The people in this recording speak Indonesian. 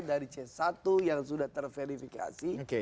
dari c satu yang sudah terverifikasi